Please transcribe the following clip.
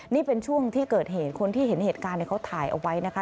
นี่เป็นช่วงที่เกิดเหตุคนที่เห็นเหตุการณ์เขาถ่ายเอาไว้นะคะ